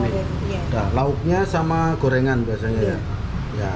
nah lauknya sama gorengan biasanya ya